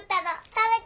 食べて。